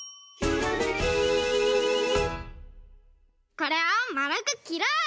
これをまるくきろう！